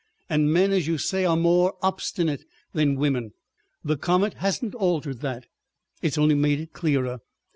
And men, as you say, are more obstinate than women. The comet hasn't altered that; it's only made it clearer.